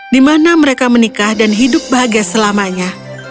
dimana mereka menikah dan hidup bahagia selamanya